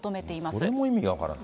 これも意味が分からない。